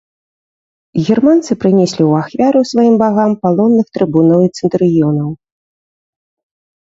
Германцы прынеслі ў ахвяру сваім багам палонных трыбунаў і цэнтурыёнаў.